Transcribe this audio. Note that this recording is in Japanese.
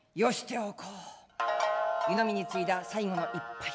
湯呑みについだ最後の一杯。